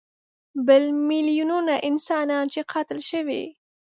بل میلیونونه انسانان چې قتل شوي.